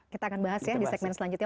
kita akan bahas ya di segmen selanjutnya